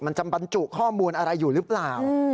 มันจะบรรจุข้อมูลอะไรอยู่หรือเปล่า